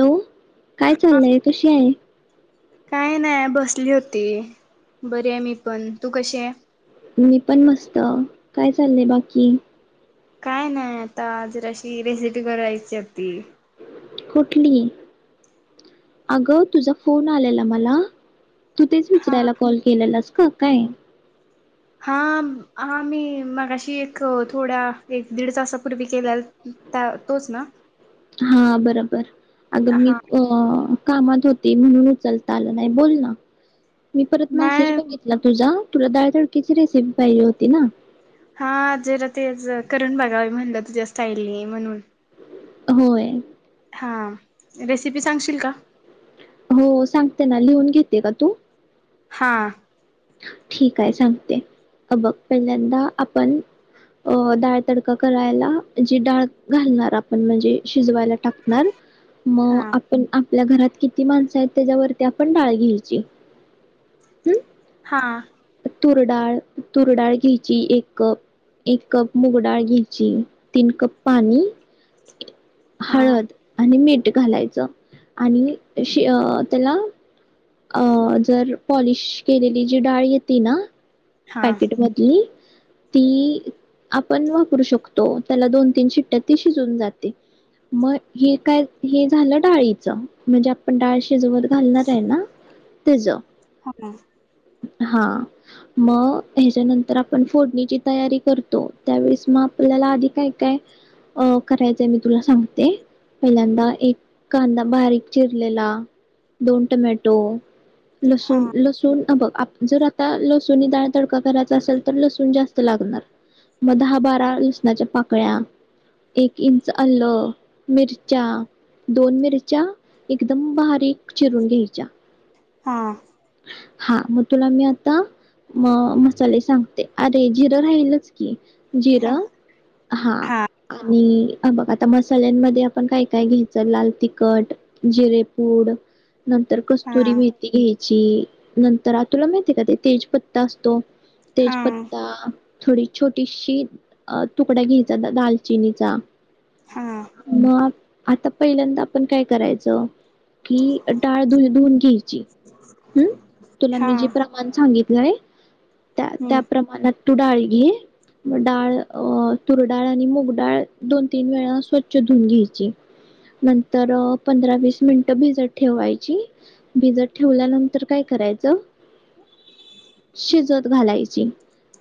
Hello काय चाललंय? कशी आहे? ती बरी आहे मी पण. तू कशी आहे? मी पण मस्त काय चाललय बाकी. काय नाही आता जराशी रेसिपी करायची होती. कुठली अग तुझा फोन आलेला मला तु तेच हा विचारायला कॉल केलेलास क काय हा हा मि मघाशि एक थोड्या एक दिड तासापुर्वी केलेला तोच ना हा बरोबर अगमि हा अ कामात होते म्हणुन उचलता आला नाही बोलना मि परत मॅसेज नाही बघितला तुझा तुला दाळ तडक्याची रेसिपी पाहीजे होती ना हा जरा तेच करून बघावि म्हणल तुझ्या स्टाइलनी म्हणुन होय हा रेसिपी सांगशिल का हो सांगतेना लिहुन घेतेस का तु हा ठीके सांगते हे बघ पहिल्यांदा आपण अ डाळ तडका करायला जि डाळं घालणार आपण म्हणजे शिजवायला टाकणार म हा आपण आपल्या घरात जे कीती माणसयेत त्याच्यावरती आपण डाळ घेयची हंम्म हा तुरडाळ तुरडाळ घेयची एक कप एक कप मुगडाळ घेयची तीन कप पाणि हा हळद आणि मिठ घालायच आणि अशी अ त्याला अ जर पॉलिश केलेली जी डाळ येति ना हा पॅकेट मधली ति आपण वापरू शकतो त्याला दोन तीन शिट्यात ति शिजुन जाते म हे काय हे झाल डाळीच म्हणजे आपण डाळीच शिजवत घालणारे ना तेज हंम्म हा म ह्याच्यानंतर आपण फोडणीची तयारी करतो त्यावेळेस म आपत्याला आधि काय काय करायचय मि तुला सांगते पहीले एक कांदा बारीक चिरलेला दोन टॉमॅटो लसूण हा लसुण अ बघ जरा आता लसुनि डाळ तडका करायचा असेल तर लसून पण जात्स लागणार म दहा बारा लसणाच्या पाकळ्या एफ इंच आल मिरच्या दोन मिरच्या अगदी बारीक चिरून घेयच्या हा हा म तुलामि आत्ता मसाले सांगते अरे जिर राहीलच की जिरं हा आणि हे बघ मसाल्यांमध्ये आपण काय काय घेयच लाल तिखट जिरे फुड नंतर हा कत्सुरी मेथी घेयची चि नंतर तुला माहीतीये का तो तेज पत्ता असतो हा तेजपत्ता थोडी छोटीशी तुकडा घेयचा दालचिनिचा हा मग आता पहील्यांदा आपण काय करायच की डाळं धुऊन घेयची हंम्म तुला हा मी जे प्रमाण सांगित नाही त्या त्या हम्म प्रमाणात तू डाळी घे म डाळ तुर डाळ आणि मुगडाळ दोन तीन वेळा स्वच्छ धुन घ्यायची नंतर पंधरा वीस मिनिट भिजत ठेवायची भिजत ठेवल्यानंतर काय करायच शिजवत घालायची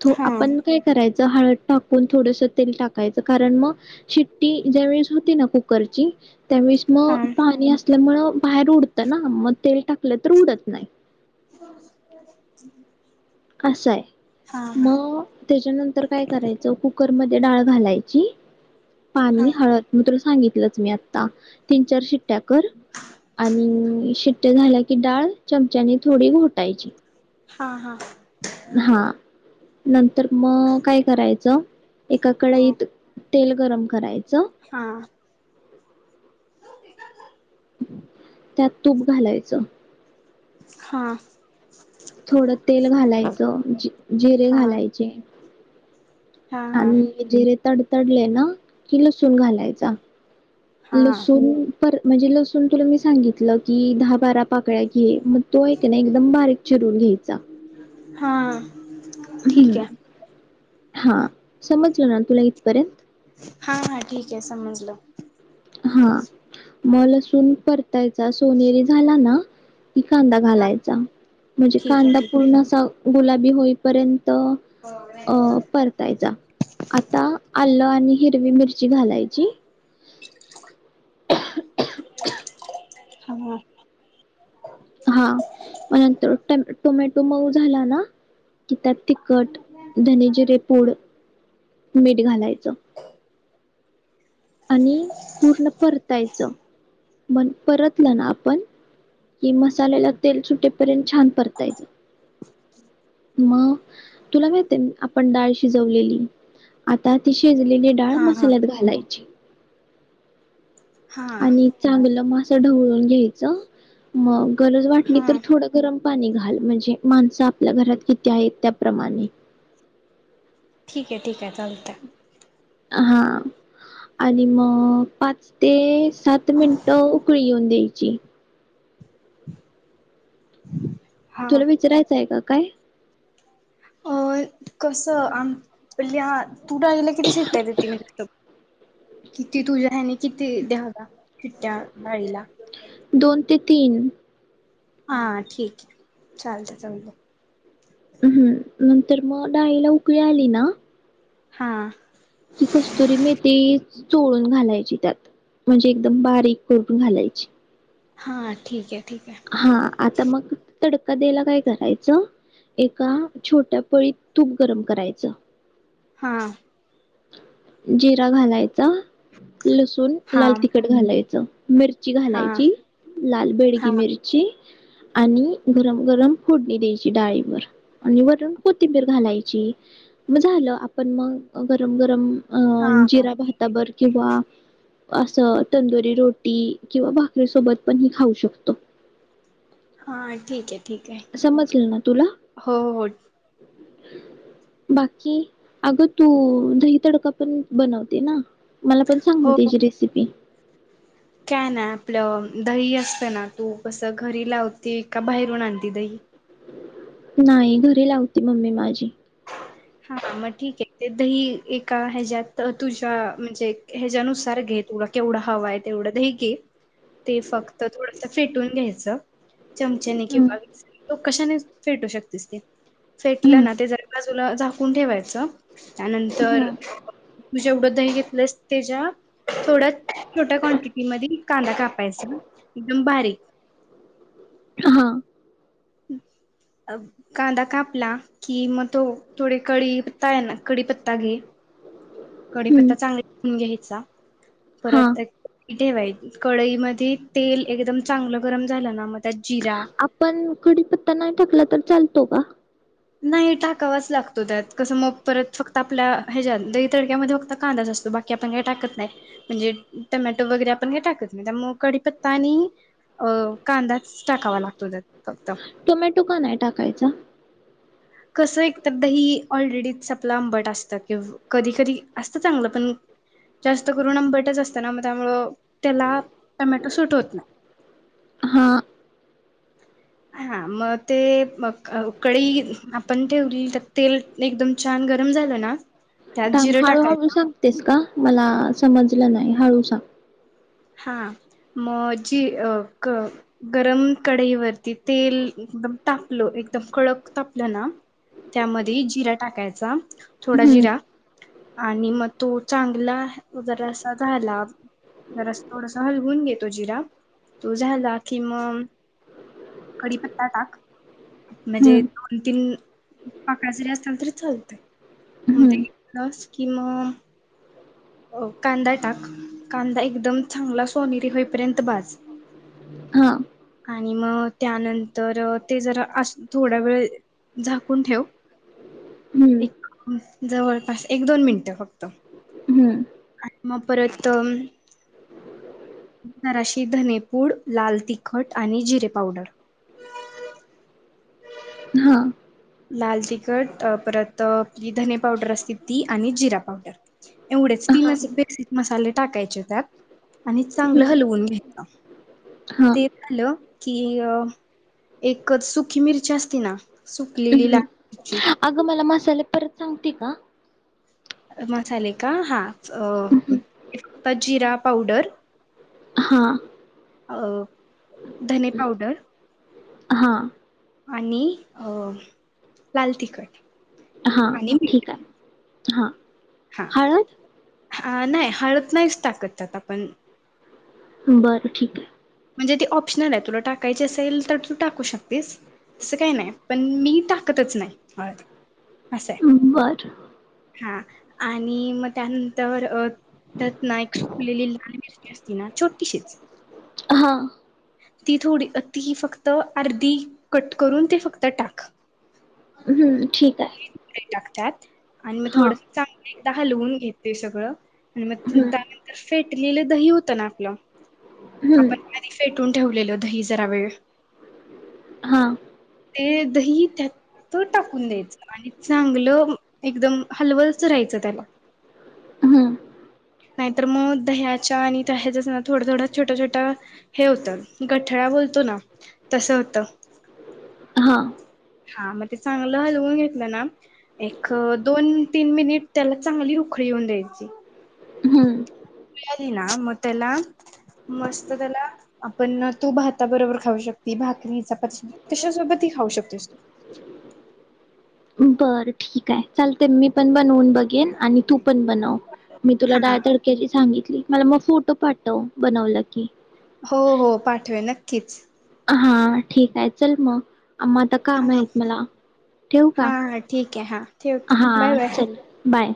तो हा आपण काय करायचं हळद टाकून थोडंसं तेल टाकायचं कारण मग शिट्टी ज्यावेेळेस होती ना कुकरची त्यावेळेस हा मग पाणी असतं ल्या मुळं बाहेर उडतं ना मग तेल टाक तर उडत नाही [inaudible] असं आहे हा हा मग त्याच्यानंतर काय करायचं कुकर मध्ये डाळ घालायची हा पाणी हळद मात्र सांगितलंच मी आता तीन चार शिट टॅकर आणि शिट्या शिट्या झाल्या की डाळ चमच्यानी थोडी घोटायची हा हा हा नंतर म काय करायचं एकाकड हा येत तेल गरम करायचं हा त्यात तूप घालायचं हा थोड तेल घालायचं जिरे घालायचे हा हा आणि जिरे तड तडले ना कि लसूूण घालायचा हा लिसून म्हणजे लसून तुला मी सांगितलं की दहा बारा पाकळ्या घे मग तो ऐक है ना एकदम बारीक चिरून घ्यायचा हां हम्म हा समजलं ना तुला इथपर्यंत हा हा ठीक आहे समजलं हांअ् म लसून परतायचा सोनेरी झाला ना! कि कांदा हा घालायचा म्हणजे ठीक आहे कांदा ठीक आहे पूर्ण असा गुलाबी होईपर्यंत अ अ परतायचा आता आलं आणि हिरवी मिरची घालायची. [unintelligible] थांब हा तो मऊ झाला ना की त्यात तिखट धने जीरे पूड मीठ घालायचं. आणि पूर्ण परतायचं मण परतलं ना आपण कि मसाल्याला तेल सुटेपर्यंत छान परतायच मग तुला माहित आहे आपण डाळ शिजवलेली आता ति शिजलेली डाळ हा हा मसाल्यात घालायची. हा आणि चांगलं मं असं ढवळून घ्यायचं मंग गरज वाटली तर हा थोडं गरम पाणी घाल म्हणजे माणसं आपल्या घरात किती आहे? त्याप्रमाणे ठीक आहे ठीक आहे चालतयं. हा आणि मग पाच ते सात मिनट उकळी येऊदे. जी हा तुला विचारायचंय का? काय? अ कसं आम पिल्ल्ह्या तू डाळीला किती शिट्टया देती [unintelligible] किती तुझ्या आणि किती दहावा कित्या बाईला दोन ते तीन हा ठीक आहे चालतय चालतय हम् हम् नंतर मग डाळीला उकळी आली ना हाअ्ं ही कस्तुरी मेथी चोळून घालायची त्यात म्हणजे एकदम बारीक करून घालायची हा ठीक हे हा आता मग तडका द्यायला काय करायचं एका छोट्या पळीत तूप गरम करायचं हाअ्ं जिरा घालाय आं लसूण, लाल हां तिखट घालायचं. मिरची हां घालायची. लाल बेड ती हां मिर्ची आणि गरम, गरम फोडणी द्यायची डाळीवर आणि वरून कोथिंबीर घालायची. मग झालं आपण मग गरम, गरम अं हां जिरा भाताबर किंवा असं तंदुरी रोटी किंवा भाकरी सोबत पण हे खाऊ शकतो. तो हां ठीकय. समजलं ना तुला? बाकी अगं तू दही तडका पण बनवते ना? मला पण सांग ना हो हो त्याची रेसिपी. काय नाही आपलं दही असतं ना, तू कस घरी लावते का बाहेरून आणती दही? नाही घरी लावती मम्मी माझी. हा मग ठीक आहे. ते दही एका ह्याज्यात तुझ्या म्हणजे ह्याज्या नुसार घे तुला केवढ हव आहे तेवढं दही घे. ते फक्त थोडस फेटून घ्यायचं. चमचेने हम्म किंवा [inaudible] कशाने फेटू शकतीस ती फेटलं हम्म ना ते जरा बाजुला कुण ठेवायच त्यानंतर हम्म तु जेवढ दही घेत प्लस तेज्या थोड्या छोट्या क्वांटिटीमधी कांदा कापायचा एकदम बारीक हा. अ कांदा कापला कि, मग तो थोडे कढईत हाय ना कडीपत्ता घे. कडीपत्ता हम्म चांगला धुन घ्यायचा. हा परत एक ठेवाय कडईमध्ये तेल एकदम चांगलं गरम झालं ना, मग त्यात जिरा आपण कडीपत्ता नाही टाकला तर चालतो का? नाही टाकावाच लागतो त्यात. कसं मग परत फक्त आपल्या ह्याज्यात दही तडक्यामध्ये फक्त कांदाच असतो बाकी आपण काही टाकत नाही. म्हणजे टमॅटो वगैरे आपण काय टाकत नाही त्यामुळे कडीपत्ता आणि अ कांदाच टाकावा लागतो त्यात फक्त. टोमॅटो का नाही टाकायचा? कसं एक तर दही ऑलरेडीच आपलं आंबट असतं. कि कधी कधी असतं चांगलं पण जास्त करून आंबटच असतं ना त्यामुळं त्याला टमॅटो सुट होत नाही. हा हा मग ते कढई आपण ठेवली, तर तेल एकदम छान गरम झालं ना त्यात थांब जिरं हळूहळू टाकायचं सांगतेस का? मला समजलं नाही, हळू सांग. हा मग जी अ गरम कढईवरती तेल एकदम तापलं एकदम कडक तापलं ना, त्यामध्ये जिरा टाकायचा. थोडा हम्म जिरा आणि मग तो चांगला जरासा झाला जरास थोडस हलवून घे तो जिरा. तो झाला कि मग कडीपत्ता टाक म्हणजे हम्म दोन तीन पाकळ्या जरी असत्याल तरी चालतय. मग हम्म ते घातलस कि मग अ कांदा टाक. कांदा एकदम चांगला सोनेरी होईपर्यंत भाज हा आणि मग त्यानंतर ते जरा अस थोडा वेळ झाकून ठेव, हम्म एक जवळपास एक दोन मिनटं फक्त. हम्म आणि मग परत जराशी धनेपूड लाल तिखट आणि जिरे पावडर हा [unintelligible] लाल तिखट परत अ धने पावडर असते ती आणि जिरा पावडर. एवढेच हा तीनच बेसिक मसाले. टाकायचे त्यात आणि चांगलं हम्म हलवून घ्यायच हा ते [unintelligible] की अ एक सुकी मिरची असती ना सु हम्म अगं मला मासा झाले परत सांगते का मसाले का हा? च अ [inaudible] प जिरा पावडर हा [inaudible] अ धने पावडर हा आणि अ लाल तिखट हा आणि ठीक मीठ हाय हा हा हळद हा नाय हळद नाहीच टाकत त्यात आपण बर ठीक आहे म्हणजे ते ऑप्शनल आहे तुला टाकायचं असेल तर तू टाकू शकतेस तस काय नाय पण मी टाकतच नाही होय असय. बर हा आणि म त्यानंतर त्यात ना एक सुकलेली लाल मिरची असती ना छोटीशीच. आहा ती थोडी ती फक्त अर्धी कट करून ती फक्त टाक. हम्म ठीक हाय काय? आणि म थोडस चाक मीठ आता हलवून घे ते सगळं. [unintelligible] हं, त्यानंतर फेटलेल दही होत ना आपल. हम्म फेटून ठेवलेलं दही जरावेळ हां हं, त्या हे होतं गठला बोलतो ना तस होत. हां हा म ते चागलं हलवून घेतलं ना एक दोन तीन मिनिट त्याला चांगली उकळी येऊन द्यायची. हं. उकळी आली ना म त्याला मस्त त्याला आपण ना तू भाताबरोबर खाऊ शकती भाकरी चपाती सोबत कशा सोबत ही खाऊ शकतेस तू. बर ठीक आहे चालतंय मी पण बनवून बघेन आणि तू पण बनव मी तुला हा डाळतडक्याची सांगितली. मला मग फोटू पाठव बनवला की. हो, हो पाटवेन नक्कीच. हा ठीके चल मग म आता हा हा कामयत मला ठेवू का हा ठीक आहे हा ठेवते हा बाय बाय. चल बाय